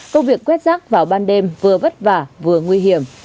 công việc quét rác vào ban đêm vừa vất vả vừa nguy hiểm